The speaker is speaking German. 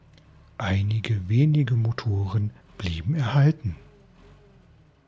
Einige wenige Motoren blieben erhalten.